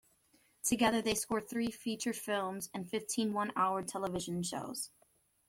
Together they scored three feature films and fifteen one-hour television shows.